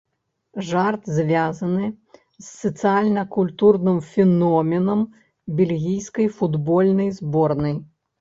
Жарт звязаны з сацыяльна-культурным феноменам бельгійскай футбольнай зборнай.